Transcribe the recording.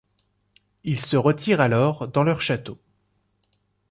Ils se retirent alors dans leur château.